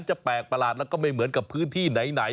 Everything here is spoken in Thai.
แปลกประหลาดแล้วก็ไม่เหมือนกับพื้นที่ไหน